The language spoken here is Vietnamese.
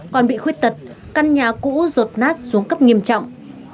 còn bị khuyết tật căn nhà cũ rột nát xuống cấp nghiêm trọng